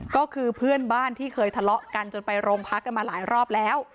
ก็คือเพื่อนบ้านที่เคยทะเลาะกันจนไปโรงพักกันมาหลายรอบแล้ว